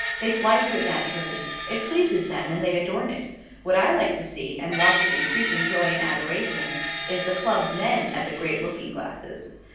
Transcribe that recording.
They fly to it naturally. It pleases them, and they adorn it. What I like to see, and watch with increasing joy and adoration, is the Club MEN at the great looking glasses.